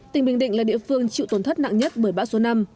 tỉnh bình định là địa phương chịu tổn thất nặng nhất bởi bão số năm